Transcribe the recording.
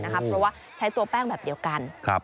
เพราะว่าใช้ตัวแป้งแบบเดียวกัน